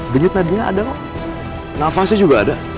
denyut nadinya ada kok nafasnya juga ada